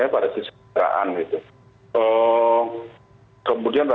pada sisi kendaraan gitu